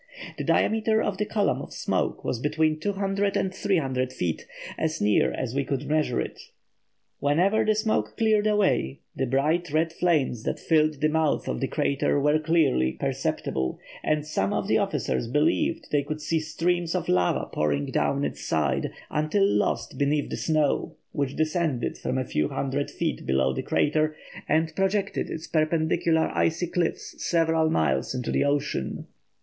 The diameter of the column of smoke was between 200 and 300 feet, as near as we could measure it. Whenever the smoke cleared away, the bright red flames that filled the mouth of the crater were clearly perceptible, and some of the officers believed they could see streams of lava pouring down its side until lost beneath the snow, which descended from a few hundred feet below the crater and projected its perpendicular icy cliffs several miles into the ocean."